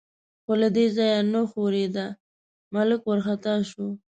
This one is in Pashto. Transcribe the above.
خو له دې ځایه نه ښورېده، ملک وارخطا شو.